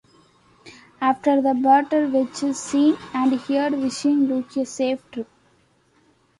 After the battle, Wedge is seen and heard wishing Luke a safe trip.